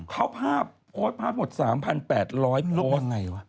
เขาพาพโพสต์พาพหมด๓๘๐๐โพสต์ว่าไงวะ